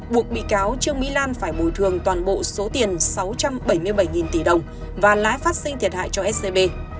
buộc bị cáo trương mỹ lan phải bồi thường toàn bộ số tiền sáu trăm bảy mươi bảy tỷ đồng và lái phát sinh thiệt hại cho scb